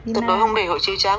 thực đối không để hội chiêu trắng